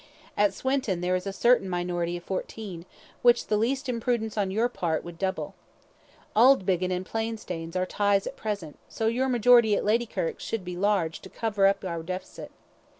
At Swinton there is a certain minority of fourteen, which the least imprudence on your part would double. Auldbiggin and Plainstanes are ties at present, so your majority at Ladykirk should be large, to cover up our deficit.